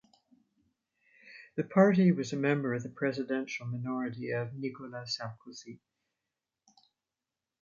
The party was a member of the Presidential Majority of Nicolas Sarkozy.